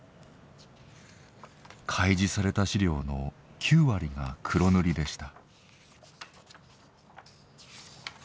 開示された資料の９割が黒塗りでした。